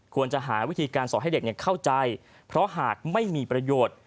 ควรจะหาวิธีการสอนให้เด็กเข้าใจเพราะหากไม่มีประโยชน์